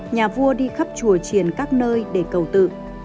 nhà vua đi khắp chùa triển các nơi để cầu tự